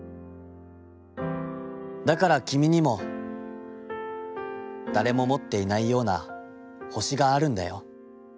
だからきみにも、誰も持っていないような星があるんだよ』。